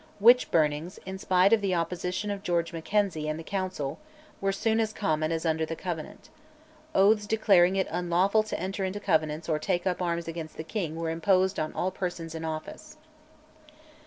Witch burnings, in spite of the opposition of George Mackenzie and the Council, were soon as common as under the Covenant. Oaths declaring it unlawful to enter into Covenants or take up arms against the king were imposed on all persons in office.